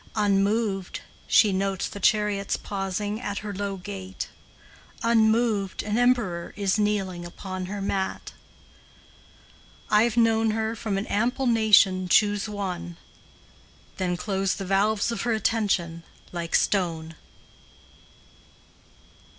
Unmoved, she notes the chariot's pausing At her low gate; Unmoved, an emperor is kneeling Upon her mat. I've known her from an ample nation Choose one; Then close the valves of her attention Like stone.